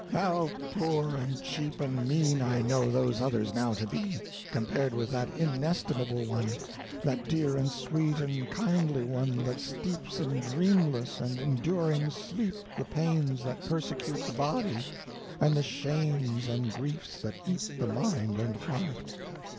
How poor and cheap and mean I know those others now to be, compared with that inestimable one, that dear and sweet and kindly one, that steeps in dreamless and enduring sleep the pains that persecute the body, and the shames and griefs that eat the mind and heart.